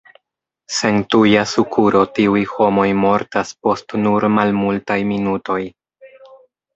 Sen tuja sukuro tiuj homoj mortas post nur malmultaj minutoj.